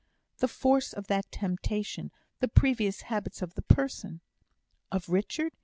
"The force of the temptation the previous habits of the person " "Of Richard.